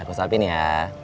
aku salpin ya